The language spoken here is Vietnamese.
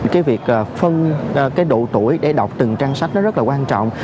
cái việc phân độ tuổi để đọc từng trang sách rất là quan trọng